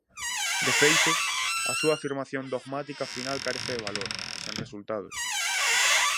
De feito, a súa afirmación dogmática final carece de valor, sen resultados.